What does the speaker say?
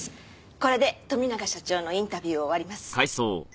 これで富永社長のインタビューを終わります。